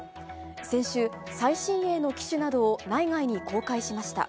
先週、最新鋭の機種などを内外に公開しました。